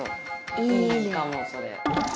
いいかもそれ。